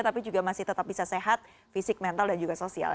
tapi juga masih tetap bisa sehat fisik mental dan juga sosial